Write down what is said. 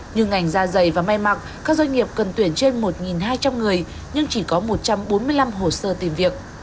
như ngành da dày và may mặc các doanh nghiệp cần tuyển trên một hai trăm linh người nhưng chỉ có một trăm bốn mươi năm hồ sơ tìm việc